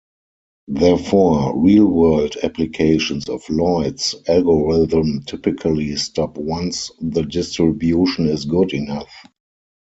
Therefore, real-world applications of Lloyd's algorithm typically stop once the distribution is good enough.